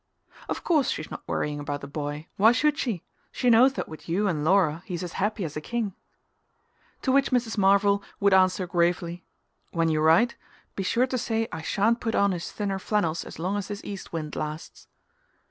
"Of course she's not worrying about the boy why should she? She knows that with you and Laura he's as happy as a king." To which Mrs. Marvell would answer gravely: "When you write, be sure to say I shan't put on his thinner flannels as long as this east wind lasts."